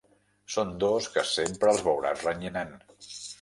Són dos que sempre els veuràs renyinant.